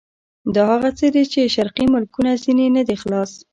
دا هغه څه دي چې شرقي ملکونه ځنې نه دي خلاص.